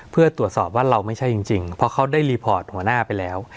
เพื่อตรวจสอบว่าเราไม่ใช่จริงเพราะเขาได้รีพอร์ตหัวหน้าไปแล้ว